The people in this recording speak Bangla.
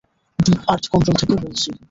ডিপ আর্থ কন্ট্রোল থেকে বলছি।